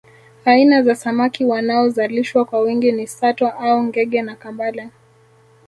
Aina za samaki wanaozalishwa kwa wingi ni sato au ngege na kambale